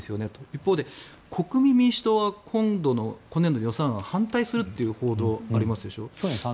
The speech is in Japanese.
一方で国民民主党は今度の今年度予算案を反対するという報道がありますでしょ。